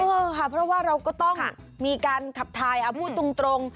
เออค่ะเพราะว่าเราก็ต้องมีการขับทายเอาพูดตรง